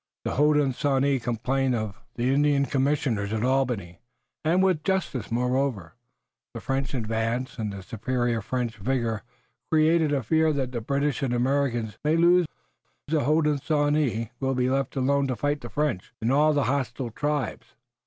"The Hodenosaunee complain of the Indian commissioners at Albany, and with justice. Moreover, the French advance and the superior French vigor create a fear that the British and Americans may lose. Then the Hodenosaunee will be left alone to fight the French and all the hostile tribes.